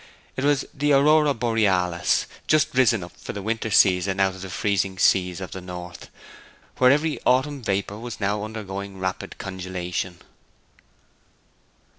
It was the Aurora Borealis, just risen up for the winter season out of the freezing seas of the north, where every autumn vapour was now undergoing rapid congelation.